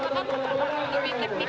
karena kan lebih aspek kan lebih teknikal